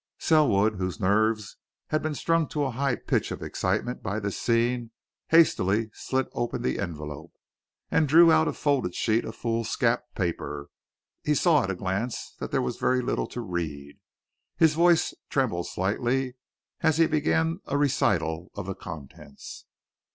Selwood, whose nerves had been strung to a high pitch of excitement by this scene, hastily slit open the envelope, and drew out a folded sheet of foolscap paper. He saw at a glance that there was very little to read. His voice trembled slightly as he began a recital of the contents.